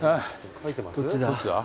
どっちだ？